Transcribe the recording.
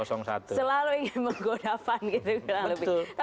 selalu ingin menggoda pan gitu